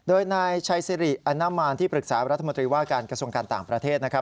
โดยนายชัยสิริอนามานที่ปรึกษารัฐมนตรีว่าการกระทรวงการต่างประเทศนะครับ